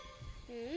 うん？